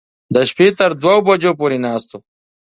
د شپې تر دوو بجو پورې ناست و.